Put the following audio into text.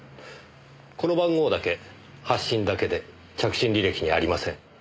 この番号だけ発信だけで着信履歴にありません。